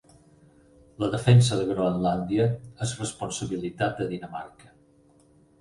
La defensa de Groenlàndia és responsabilitat de Dinamarca.